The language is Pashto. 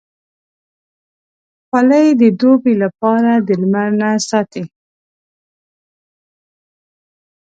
خولۍ د دوبې لپاره د لمر نه ساتي.